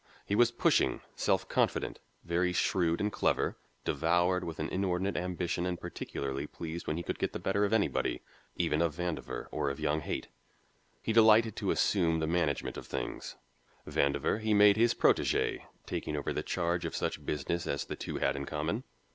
He was pushing, self confident, very shrewd and clever, devoured with an inordinate ambition and particularly pleased when he could get the better of anybody, even of Vandover or of young Haight. He delighted to assume the management of things. Vandover, he made his protégé, taking over the charge of such business as the two had in common.